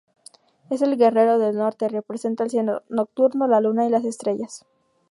Es el guerrero del norte, representa el cielo nocturno, la luna y las estrellas.